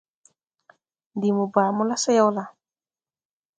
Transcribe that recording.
Ndi mo baa mo la so yaw la ?